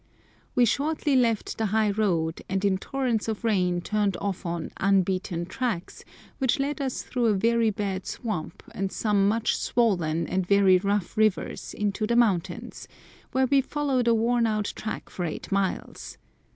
We shortly left the high road, and in torrents of rain turned off on "unbeaten tracks," which led us through a very bad swamp and some much swollen and very rough rivers into the mountains, where we followed a worn out track for eight miles.